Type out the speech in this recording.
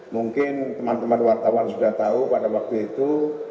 mungkin teman teman wartawan sudah tahu pada waktu itu